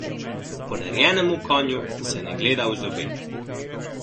Podarjenemu konju se ne gleda v zobe.